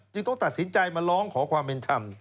ต้องตัดสินใจมาร้องขอความเป็นธรรม